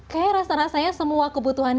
kayak rasa rasanya semua kebutuhan